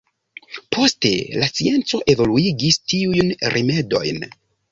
Poste la scienco evoluigis tiujn rimedojn.